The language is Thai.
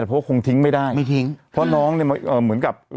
เพราะว่าคงทิ้งไม่ได้ไม่ทิ้งเพราะน้องเนี่ยเอ่อเหมือนกับ